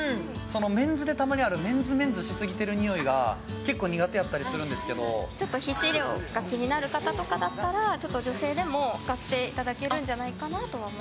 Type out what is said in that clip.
メンズでたまにあるメンズメンズしすぎてるにおいが結構苦手やったりするんですけどちょっと皮脂量が気になる方とかだったら女性でも使っていただけるんじゃないかなとは思います